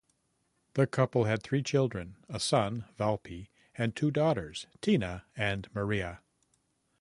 The couple had three children: a son, Valpy, and two daughters, Tina and Maria.